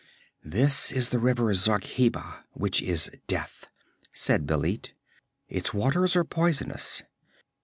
'This is the river Zarkheba, which is Death,' said Bêlit. 'Its waters are poisonous.